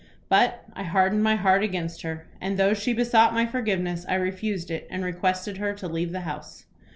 But I hardened my heart against her, and though she besought my forgiveness, I refused it, and requested her to leave the house.